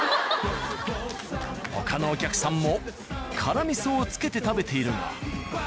他のお客さんも辛味噌をつけて食べているが。